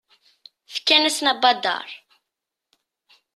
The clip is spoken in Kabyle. Fkan-asen abadaṛ.